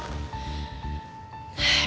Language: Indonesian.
emang adriana tuh keterempuan